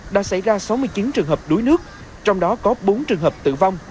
đã xảy ra sáu mươi chín trường hợp đuối nước trong đó có bốn trường hợp tử vong